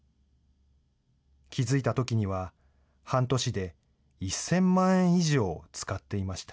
気付いたときには、半年で１０００万円以上使っていました。